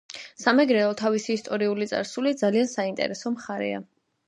სამეგრელო თავისი ისტორიული წარსულით ძალიან საინტერესო მხარეა.